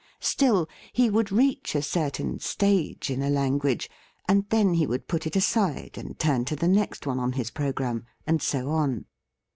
Still, he would reach a certain stage in a language, and then he would put it aside and turn to the next one on his programme, and so on.